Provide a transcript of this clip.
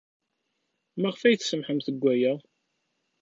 Maɣef ay tsemmḥemt deg waya?